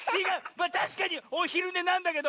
まあたしかにおひるねなんだけど。